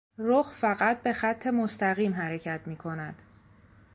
رخ فقط به خط مستقیم حرکت میکند.